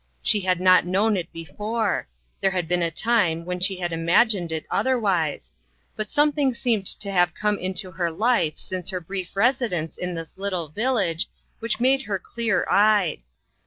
She had not known it before ; there had been a time when she had imagined it otherwise ; but something seemed to have come into her life since her brief residence in this little village, which made her clear eyed.